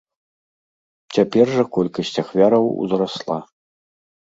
Цяпер жа колькасць ахвяраў узрасла.